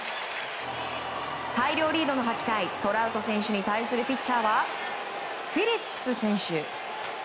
大量リードの８回トラウト選手に対するピッチャーはフィリップス投手。